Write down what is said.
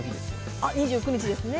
２９日ですね。